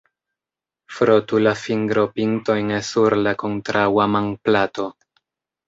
Frotu la fingropintojn sur la kontraŭa manplato.